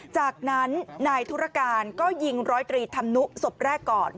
จากนั้นนายธุรการก็ยิงร้อยตรีธรรมนุศพแรกก่อน